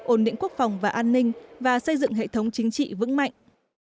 ổn định quốc phòng và an ninh và xây dựng hệ thống chính trị vững mạnh